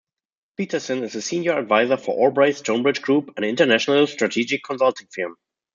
Peterson is a Senior Advisor for Albright Stonebridge Group, an international strategic consulting firm.